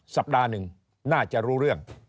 สัปดาห์หนึ่งน่าจะรู้เรื่อง